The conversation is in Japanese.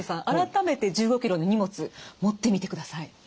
改めて１５ｋｇの荷物持ってみてください。